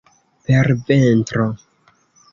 Per ventro!